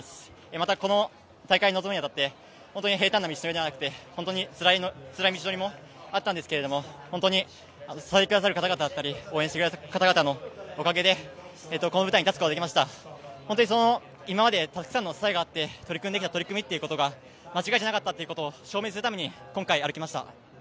またこの大会に臨むに当たって本当に平たんな道のりではなくて本当につらい道のりもあったんですけれども、本当に支えてくださった方々だったり、応援してくださる方々のおかげでここに立つことができました今まで本当にたくさんの支えがあって取り組んでこれたことが間違いじゃなかったということを証明するために今回、歩きました。